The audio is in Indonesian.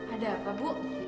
ada apa bu